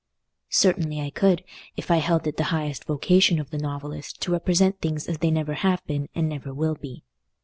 Certainly I could, if I held it the highest vocation of the novelist to represent things as they never have been and never will be.